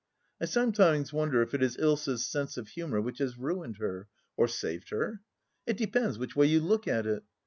I sometimes wonder if it is Ilsa's sense of humour which has ruined her — or saved her ? It depends which way you look at it.